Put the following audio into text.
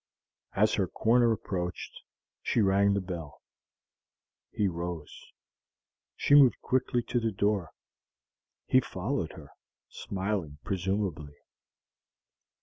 As her corner approached, she rang the bell. He rose. She moved quickly to the door. He followed her, smiling presumingly.